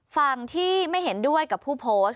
ฝั่งที่ไม่เห็นด้วยกับผู้โพสต์